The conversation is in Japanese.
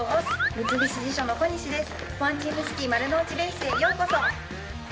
三菱地所の小西です。